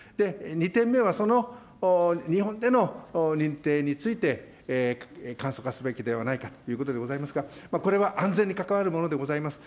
２点目はその日本での認定について、簡素化すべきではないかということでございますが、これは安全に関わるものでございます。